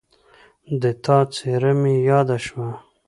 د تا څېره مې یاده شوه